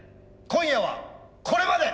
今夜はこれまで！